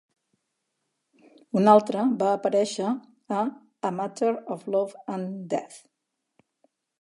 Un altre va aparèixer a "A Matter of Loaf and Death".